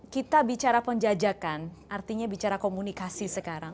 kita bicara penjajakan artinya bicara komunikasi sekarang